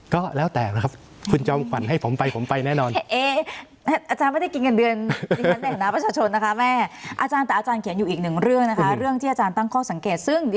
ก็แล้วแต่นะครับคุณจอมขวัญให้ผมไปผมไปแน่นอน